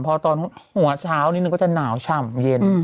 พอตอนหัวเช้านิดนึงก็จะหนาวฉ่ำเย็น